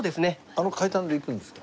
あの階段で行くんですか？